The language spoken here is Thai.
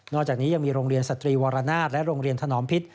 จากนี้ยังมีโรงเรียนสตรีวรนาศและโรงเรียนถนอมพิษ